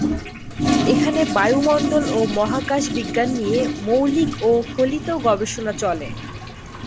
এখানে বায়ুমণ্ডল ও মহাকাশ বিজ্ঞান নিয়ে মৌলিক ও ফলিত গবেষণা চলে।